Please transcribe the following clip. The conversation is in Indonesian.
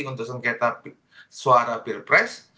untuk sengketa suara pilpres